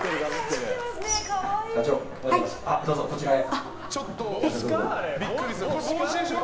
社長、どうぞこちらへ。